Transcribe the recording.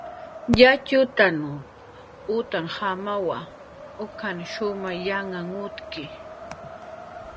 Yatxutanq utnjamawa, ukan shumay yanhan utki